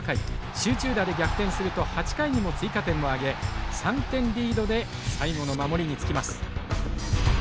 集中打で逆転すると８回にも追加点を挙げ３点リードで最後の守りにつきます。